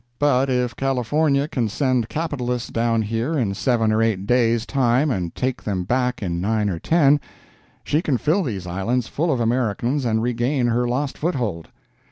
But if California can send capitalists down here in seven or eight days time and take them back in nine or ten, she can fill these islands full of Americans and regain her lost foothold.